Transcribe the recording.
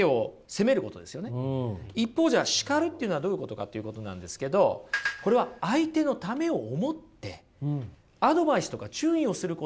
一方じゃ叱るというのはどういうことかっていうことなんですけどこれは相手のためを思ってアドバイスとか注意をすることなんですね。